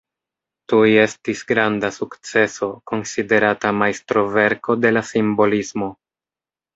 Tuj estis granda sukceso, konsiderata majstroverko de la simbolismo.